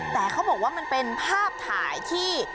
แต่เขาบอกว่ามันเป็นภาพถ่ายที่